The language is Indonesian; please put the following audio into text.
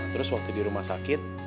terus waktu di rumah sakit